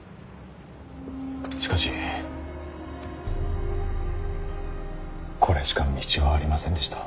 しかしこれしか道はありませんでした。